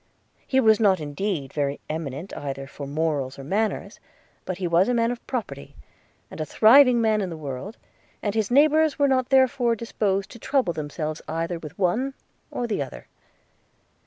He was not indeed very eminent either for morals or manners; but he was a man of property, and a thriving man in the world, and his neighbours were not therefore disposed to trouble themselves either with one or the other.